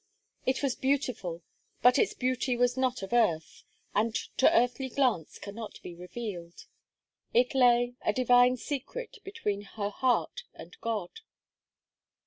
It was beautiful; but its beauty was not of earth, and to earthly glance cannot be revealed. It lay, a divine secret, between her heart and God.